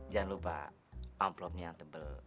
jangan lupa amplopnya yang tebal